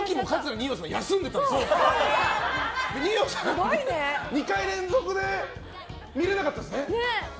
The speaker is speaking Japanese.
二葉さん、２回連続で見れなかったですね。